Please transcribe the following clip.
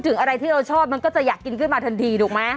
อะไรที่เราชอบมันก็จะอยากกินขึ้นมาทันทีถูกไหม